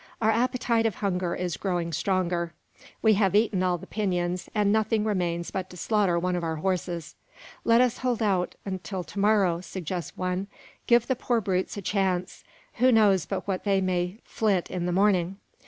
Our appetite of hunger is growing stronger. We have eaten all the pinons, and nothing remains but to slaughter one of our horses. "Let us hold out till to morrow," suggests one. "Give the poor brutes a chance. Who knows but what they may flit in the morning?"